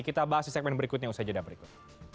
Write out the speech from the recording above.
kita bahas di segmen berikutnya usaha jadwal berikut